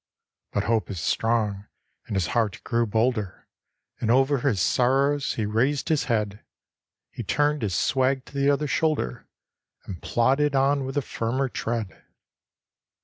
But hope is strong, and his heart grew bolder, And over his sorrows he raised his head, He turned his swag to the other shoulder, And plodded on with a firmer tread.